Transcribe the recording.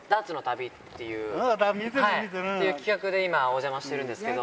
見てる、見てる。という企画で今、お邪魔してるんですけど。